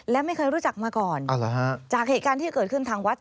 และไม่เคยรู้จักมาก่อนจากเหตุการณ์ที่เกิดขึ้นทางวัด